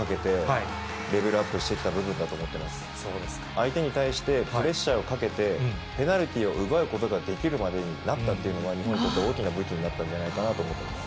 相手に対してプレッシャーをかけて、ペナルティーを奪うことができるようになったっていうのは、日本にとって大きな武器になったんじゃないかなと思ってます。